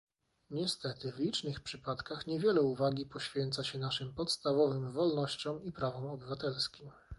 Niestety, w licznych przypadkach niewiele uwagi poświęca się naszym podstawowym wolnościom i prawom obywatelskim